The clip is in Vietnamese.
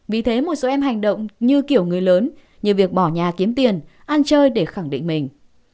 vì thế một số em hành động như kiểu người lớn như việc bỏ nhà kiếm tiền ăn chơi để khẳng định mình